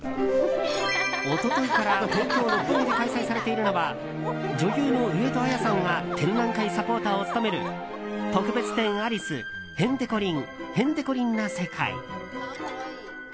一昨日から東京・六本木で開催されているのは女優の上戸彩さんが展覧会サポーターを務める「特別展アリス‐へんてこりん、へんてこりんな世界‐」。